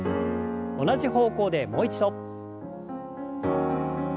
同じ方向でもう一度。